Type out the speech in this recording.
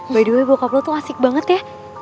by the way bokap lo tuh asik banget ya